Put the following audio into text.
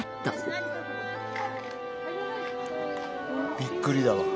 びっくりだわ。